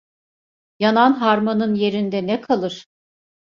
Yanan harmanın yerinde ne kalır?.